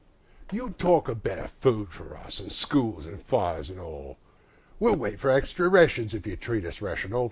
You talk o' better food for us, an' schools, an' fires, an' all: We'll wait for extry rations if you treat us rational.